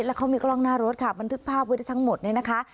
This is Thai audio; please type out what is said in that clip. แล้วเขามีกล้องหน้ารถค่ะบันทึกภาพไว้ได้ทั้งหมดเนี่ยนะคะ